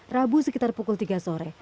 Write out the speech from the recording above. rabu sekitar pukul tiga sore